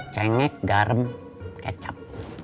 cengik garam kecap